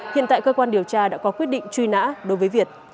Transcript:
hiện tại cơ quan điều tra đã có quyết định truy nã đối với việt